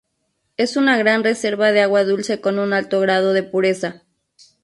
Es una gran reserva de agua dulce con un alto grado de pureza.